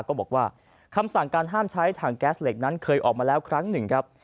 ก็บอกว่าคำสั่งการห้ามใช้ถังแก๊สเหล็กนั้นเคยออกมาแล้วครั้งหนึ่งครับ